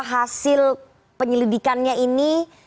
hasil penyelidikannya ini